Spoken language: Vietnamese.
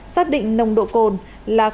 xác định nồng độ cồn là chín